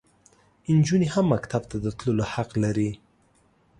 انجونې هم مکتب ته د تللو حق لري.